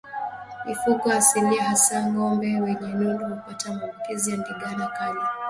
Mifugo asilia hasa ngombe wenye nundu hupata maambukizi ya ndigana kali